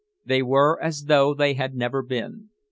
They were as though they had never been.